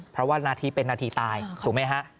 เพราะว่านาทีเป็นนาทีตายถูกไหมฮะ